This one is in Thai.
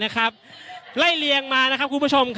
อย่างที่บอกไปว่าเรายังยึดในเรื่องของข้อ